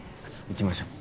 行きましょう